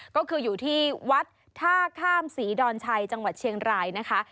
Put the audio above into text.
ก็คืออยู่ที่วัดท่าข้ามศรีดอนชัยจังหวัดเชียงรายนะคะ